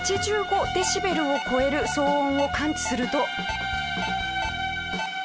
デシベルを超える騒音を感知すると。